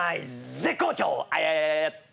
絶好調！